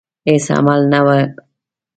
هیڅ عمل نه وو کړی.